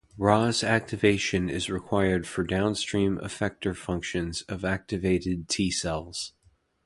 Ras activation is required for downstream effector functions of activated T cells.